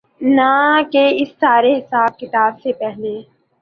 نہ کہ اس سارے حساب کتاب سے پہلے۔